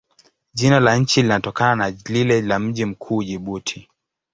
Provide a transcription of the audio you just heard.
Jina la nchi linatokana na lile la mji mkuu, Jibuti.